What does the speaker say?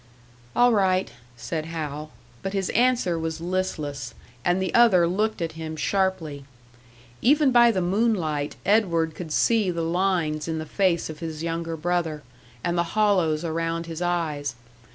"All right," said Hal. But his answer was listless, and the other looked at him sharply. Even by the moonlight Edward could see the lines in the face of his younger brother, and the hollows around his eyes.